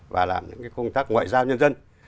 và làm những công tác ngoại giao nhân dân